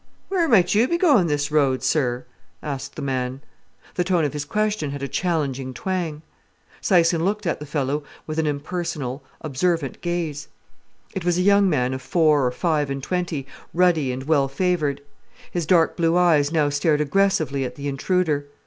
"Where might you be going this road, sir?" asked the man. The tone of his question had a challenging twang. Syson looked at the fellow with an impersonal, observant gaze. It was a young man of four or five and twenty, ruddy and well favoured. His dark blue eyes now stared aggressively at the intruder.